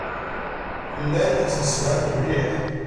Llan ttemsefhamen mliḥ.